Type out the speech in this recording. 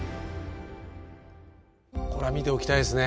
これは見ておきたいですね。